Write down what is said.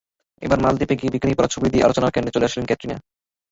এবার মালদ্বীপে গিয়ে বিকিনি পরা ছবি দিয়ে আলোচনার কেন্দ্রে চলে আসলেন ক্যাটরিনা।